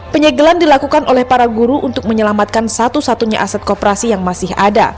penyegelan dilakukan oleh para guru untuk menyelamatkan satu satunya aset kooperasi yang masih ada